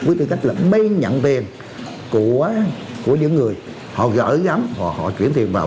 với tư cách là mấy nhận tiền của những người họ gỡ gắm họ chuyển tiền vào